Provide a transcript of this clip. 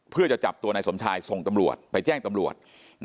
เพื่อจะจับตัวนายสมชายส่งตำรวจไปแจ้งตำรวจ